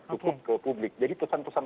cukup ke publik jadi pesan pesan